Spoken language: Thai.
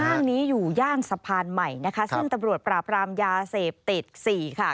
นี้อยู่ย่านสะพานใหม่นะคะซึ่งตำรวจปราบรามยาเสพติดสี่ค่ะ